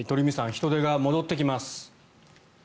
人出が戻ってきます。